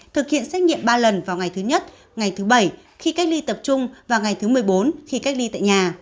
thực hiện xét nghiệm ba lần vào ngày thứ nhất ngày thứ bảy khi cách ly tập trung vào ngày thứ một mươi bốn khi cách ly tại nhà